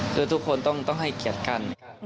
คือทุกคนต้องให้เกียรติกัน